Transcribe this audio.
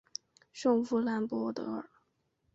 圣夫兰博尔。